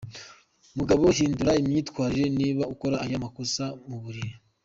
Mugabo hindura imyitwarire niba ukora aya makosa mu buriri.